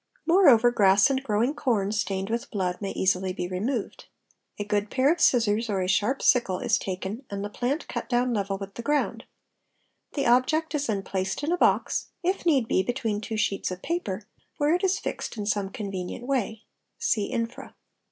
Moreover grass and growing corn stained with blood may easily be removed. A good pair of scissors or a sharp sickle is taken and the plant cut down level with the ground; the object is then placed in a box, if need be between two sheets of paper, where it is fixed in some convenient way (see infra).